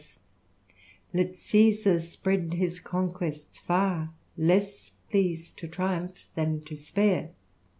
Let Caesar spread his conquests far. Less pleas'd to triumph than to spare.'